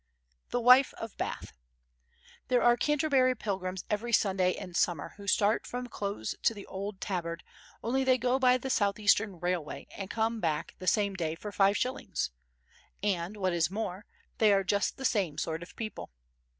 The Wife of Bath There are Canterbury Pilgrims every Sunday in summer who start from close to the old Tabard, only they go by the South Eastern Railway and come back the same day for five shillings. And, what is more, they are just the same sort of people.